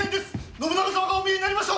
信長様がお見えになりました！